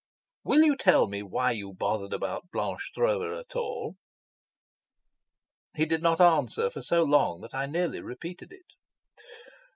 "Will you tell me why you bothered about Blanche Stroeve at all?" He did not answer for so long that I nearly repeated it.